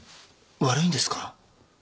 悪いんですか？